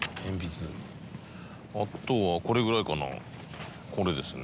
あとはこれぐらいかなこれですね。